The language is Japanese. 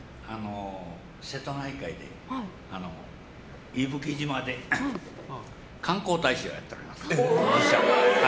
瀬戸内海の伊吹島で観光大使をやっております。